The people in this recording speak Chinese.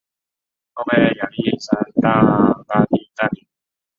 后被亚历山大大帝占领。